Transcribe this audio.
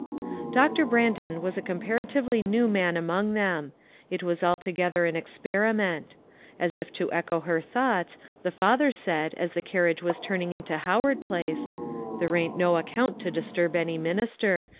Doctor Brandon was a comparatively new man among them. It was altogether an ex 28O ONE COMMONPLACE DAY. periment. As if to echo her thoughts, the father said, as the carriage was turning into Howard Place :" There ain't no account to disturb any minister.